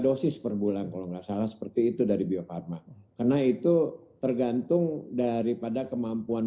dosis perbulan kalau nggak salah seperti itu dari bioparma karena itu tergantung daripada kemampuan